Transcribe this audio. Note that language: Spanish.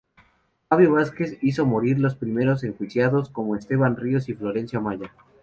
Fabio Vásquez hizo morir los primeros enjuiciados como Esteban Ríos y Florencio Amaya.